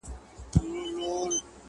پلو مي باد واخیست وړیا دي ولیدمه!